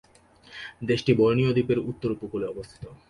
দেশটি বোর্নিও দ্বীপের উত্তর উপকূলে অবস্থিত।